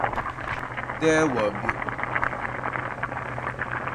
Three were built.